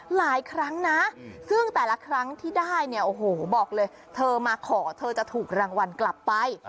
หลายครั้งนะซึ่งแต่ละครั้งที่ได้เนี่ยโอ้โหบอกเลยเธอมาขอเธอจะถูกรางวัลกลับไป